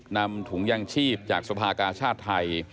นำถุงยางชีพจากสภากาชาติไทย